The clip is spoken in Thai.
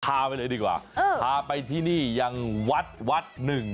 พาไปเลยดีกว่าพาไปที่นี่ยังวัดวัดหนึ่ง